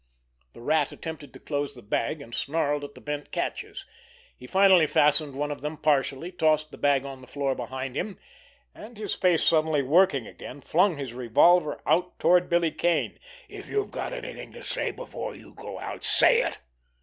The Rat attempted to close the bag, and snarled at the bent catches. He finally fastened one of them partially, tossed the bag on the floor behind him, and, his face suddenly working again, flung his revolver arm out toward Billy Kane. "If you've got anything to say before you go out—say it!"